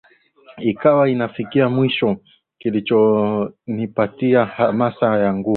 ikawa inafika mwisho Kilichonipatia hamasa na nguvu